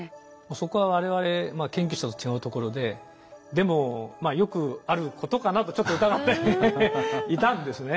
そこは我々研究者と違うところででもまあよくあることかなとちょっと疑っていたんですね。